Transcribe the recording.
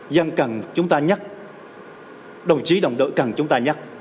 dân cần chúng ta nhắc đồng chí đồng đội cần chúng ta nhắc